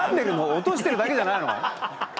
落としてるだけじゃないの？